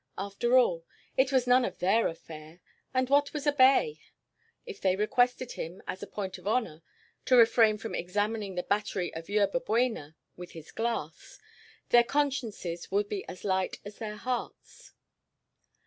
After all, it was none of their affair, and what was a bay? If they requested him, as a point of honor, to refrain from examining the battery of Yerba Buena with his glass, their consciences would be as light as their hearts.